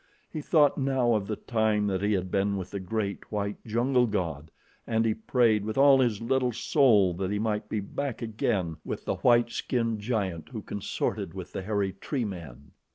He thought now of the time that he had been with the great, white jungle god, and he prayed with all his little soul that he might be back again with the white skinned giant who consorted with the hairy tree men.